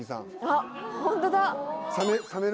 あっホントだ。